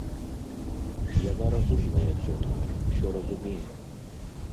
Яна разумная цётка, усё разумее.